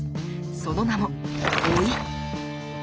その名も「老い」。